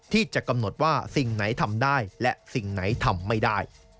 ที่จะกำหนดว่าสิ่งไหนทำได้และสิ่งไหนทำไม่ได้